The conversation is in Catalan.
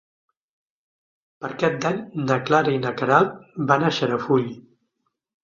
Per Cap d'Any na Clara i na Queralt van a Xarafull.